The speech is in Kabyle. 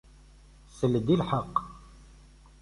Sel-d i lḥeqq.